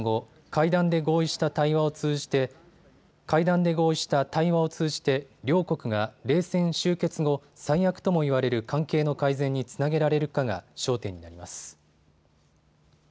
今後、会談で合意した対話を通じて両国が冷戦終結後、最悪ともいわれる関係の改善につなげられるかが焦点になります。